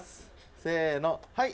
せーの、はい。